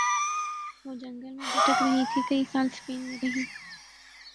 وہ جنگل میں بھٹک رہی تھی کئی سال سپین میں رہیں